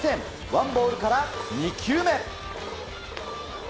ワンボールから２球目。